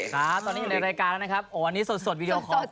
ตอนนี้อยู่ในรายการนะครับโอ้วอันนี้สดสดวิดีโอขอคุณกัน